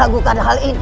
aku ragukan hal ini